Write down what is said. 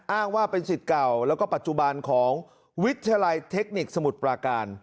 อ้างว่าเป็นสิทธิ์เก่าแล้วก็ปัจจุบันของวิทยาลัยเทคนิคสมุทรปราการ